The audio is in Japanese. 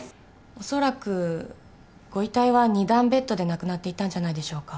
おそらくご遺体は２段ベッドで亡くなっていたんじゃないでしょうか？